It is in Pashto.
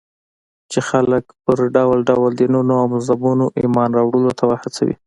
چې خلک پر ډول ډول دينونو او مذهبونو ايمان راوړلو ته وهڅوي.